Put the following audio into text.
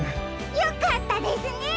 よかったですね！